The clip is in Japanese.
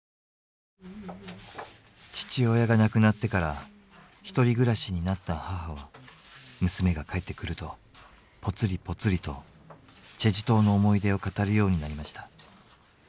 父親が亡くなってから１人暮らしになった母は娘が帰ってくるとポツリポツリと済州島の思い出を語るようになりました。